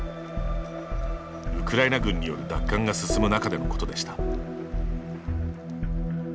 ウクライナ軍による奪還が進む中でのことでした。